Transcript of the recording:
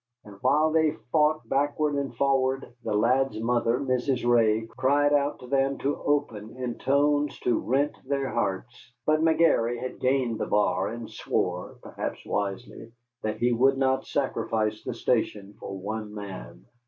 And while they fought backward and forward, the lad's mother, Mrs. Ray, cried out to them to open in tones to rend their hearts. But McGary had gained the bar and swore (perhaps wisely) that he would not sacrifice the station for one man.